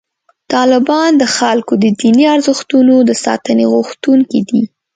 طالبان د خلکو د دیني ارزښتونو د ساتنې غوښتونکي دي.